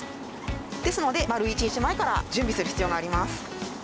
ですので丸１日前から準備する必要があります。